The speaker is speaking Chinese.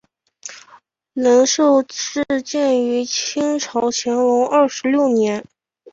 仁寿寺建于清朝乾隆二十六年。